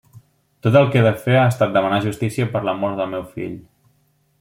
Tot el que he fet ha estat demanar justícia per la mort del meu fill.